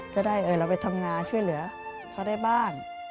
จะได้เราไปทำงานช่วยเหลือเขาได้บ้าง